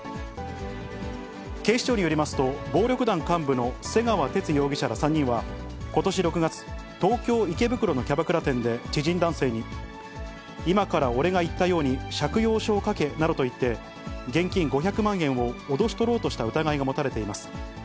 警視庁によりますと、暴力団幹部の瀬川哲容疑者ら３人は、ことし６月、東京・池袋のキャバクラ店で知人男性に、今から俺が言ったように借用書を書けなどと言って、現金５００万円を脅し取ろうとした疑いが持たれています。